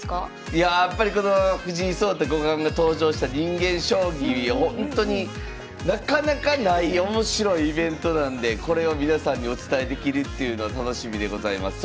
いややっぱりこの藤井聡太五冠が登場した人間将棋ほんとになかなかない面白いイベントなんでこれを皆さんにお伝えできるっていうのは楽しみでございます。